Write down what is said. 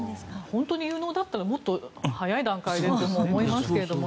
本当に有能だったらもっと早い段階でとも思いますけど。